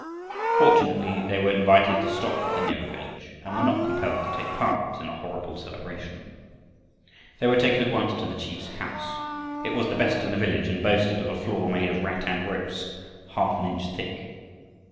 Fortunately they were invited to stop at the nearer village and were not compelled to take part in the horrible celebration. They were taken at once to the chief's house. It was the best in the village, and boasted of a floor, made of rattan ropes half an inch thick.